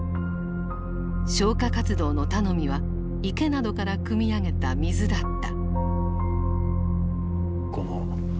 消火活動の頼みは池などからくみ上げた水だった。